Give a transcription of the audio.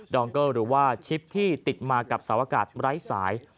องเกอร์หรือว่าชิปที่ติดมากับสาวอากาศไร้สาย